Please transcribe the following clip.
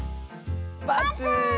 バツ！